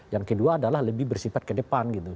yang kedua adalah lebih bersifat ke depan gitu